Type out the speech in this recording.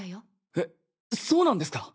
えっそうなんですか！？